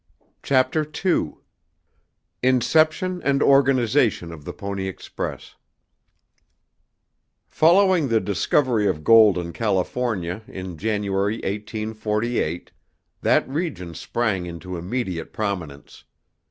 Chapter II Inception and Organization of the Pony Express Following the discovery of gold in California in January 1848, that region sprang into immediate prominence.